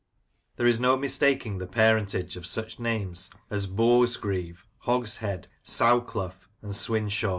There is no mistaking the parentage of such names as Boarsgreave, Hogshead, Sow clough, and Swinshaw.